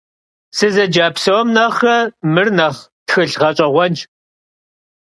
Sızece psom nexhre mır nexh txılh ğeş'eğuenş.